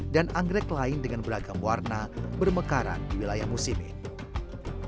dan anggrek lain dengan beragam warna bermekaran di wilayah musim ini